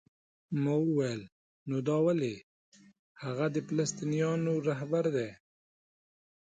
ما وویل: نو دا ولې؟ هغه د فلسطینیانو رهبر دی؟